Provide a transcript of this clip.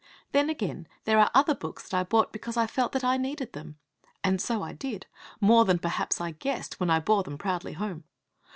Then, again, there are other books that I bought because I felt that I needed them. And so I did, more than perhaps I guessed when I bore them proudly home.